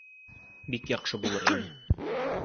Бик яҡшы булыр ине.